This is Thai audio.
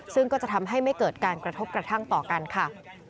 ซึ่งก็จะทำให้ไม่เกิดการกระทบกระทั่งต่อกันค่ะ